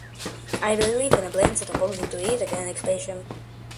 I believe in a balanced approach to eating and exercise.